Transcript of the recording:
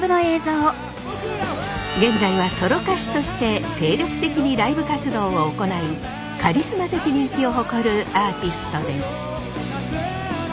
現在はソロ歌手として精力的にライブ活動を行いカリスマ的人気を誇るアーティストです。